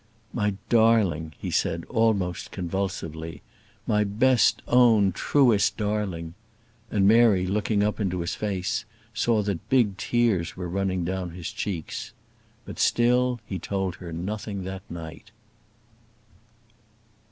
"My darling!" he said, almost convulsively. "My best own, truest darling!" and Mary, looking up into his face, saw that big tears were running down his cheeks. But still he told her nothing that night.